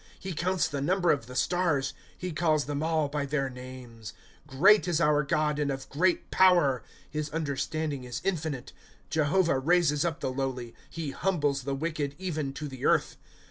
* He counts the number of the stars ; He calls them all by their names. ^ Great is our Lord, and of great power ; His understanding is infinite. ^ Jehovah raises up the lowly ; He Jiumbles the wicked even to the earth.